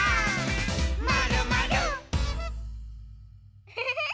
「まるまる」ウフフフ！